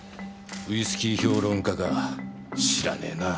ウイスキー評論家か知らねえな。